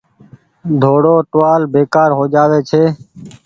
ۮوڙو ٽوهآل بيڪآر هو جآ وي ڇي۔